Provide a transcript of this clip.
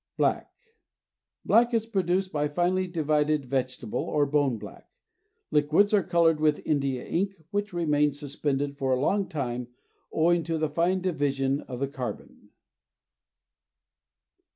BLACK is produced by finely divided vegetable or bone black. Liquids are colored with India ink which remains suspended for a long time owing to the fine division of the carbon.